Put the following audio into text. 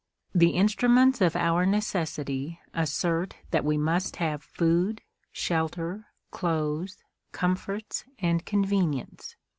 The instruments of our necessity assert that we must have food, shelter, clothes, comforts and convenience.